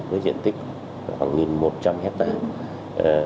với diện tích khoảng một một trăm linh hectare